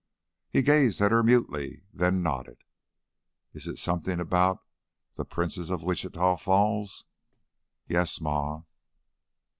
He gazed at her mutely, then nodded. "Is it something about the the Princess of Wichita Falls?" "Yes, Ma."